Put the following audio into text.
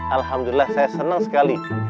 alhamdulillah saya senang sekali